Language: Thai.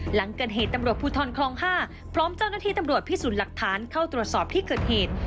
หลังเกิดเหตุตำรวจภูทรคลอง๕พร้อมเจ้าหน้าที่ตำรวจพิสูจน์หลักฐานเข้าตรวจสอบที่เกิดเหตุ